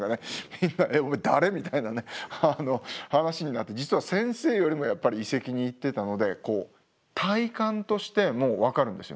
みんな「お前誰？」みたいな話になって実は先生よりもやっぱり遺跡に行ってたので体感としてもう分かるんですよ。